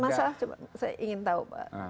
masa saya ingin tahu